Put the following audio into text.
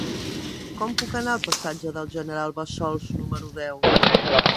Com puc anar al passatge del General Bassols número deu?